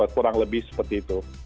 kurang lebih seperti itu